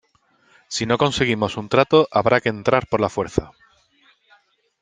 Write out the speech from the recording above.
Si no conseguimos un trato habrá que entrar por la fuerza.